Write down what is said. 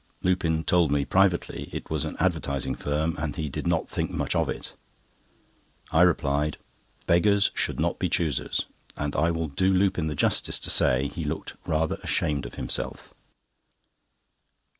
Lupin told me, privately, it was an advertising firm, and he did not think much of it. I replied: "Beggars should not be choosers;" and I will do Lupin the justice to say, he looked rather ashamed of himself.